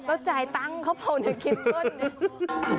ก็จ่ายตังค์เขาเขาเนี่ยกินเบิ้ล